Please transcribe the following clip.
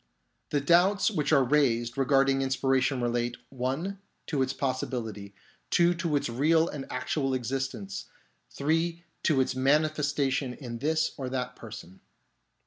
The doubts which are raised regarding inspiration relate (1) to its possibility, (2) to its real and actual existence, (3) to its manifestation in this or that person.